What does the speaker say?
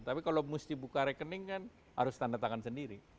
tapi kalau mesti buka rekening kan harus tanda tangan sendiri